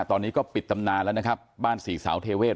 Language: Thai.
ตอนนี้ก็ปิดตำนานแล้วนะครับบ้านสี่สาวเทเวศ